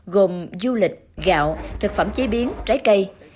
gồm du lịch gạo thực phẩm chế biến trái cây